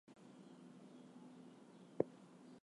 However, they lost in the playoffs.